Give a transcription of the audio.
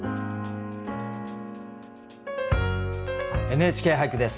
「ＮＨＫ俳句」です。